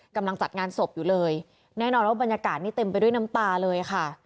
จัดงานศพอยู่เลยแน่นอนว่าบรรยากาศนี้เต็มไปด้วยน้ำตาเลยค่ะ